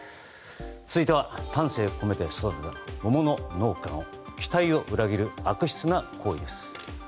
続いては丹精を込めて育てた桃の農家の期待を裏切る悪質な行為です。